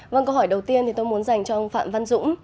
vâng câu hỏi đầu tiên thì tôi muốn dành cho ông phạm văn dũng